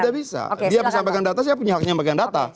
tidak bisa dia sampaikan data saya punya haknya bagian data